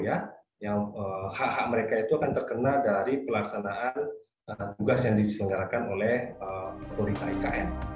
yang hak hak mereka itu akan terkena dari pelaksanaan tugas yang diselenggarakan oleh otoritas ikn